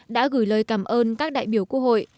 đã gửi lời cảm ơn các đại biểu quốc hội